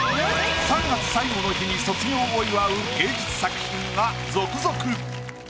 ３月最後の日に卒業を祝う芸術作品が続々！